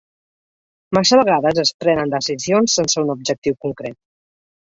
Massa vegades es prenen decisions sense un objectiu concret.